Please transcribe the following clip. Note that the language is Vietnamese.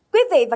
quý vị và